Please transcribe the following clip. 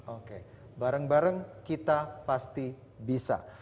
oke bareng bareng kita pasti bisa